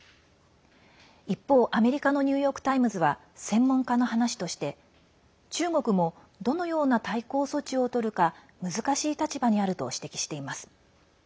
一方、アメリカのニューヨーク・タイムズは専門家の話として、中国もどのような対抗措置をとるか難しい立場にあると指摘しています。